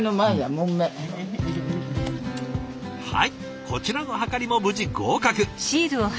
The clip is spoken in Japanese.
はいこちらのはかりも無事合格。